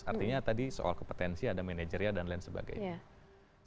artinya tadi soal kepotensi ada manajer dan lain sebagainya